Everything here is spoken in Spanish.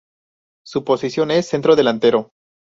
Su posición es centrodelantero.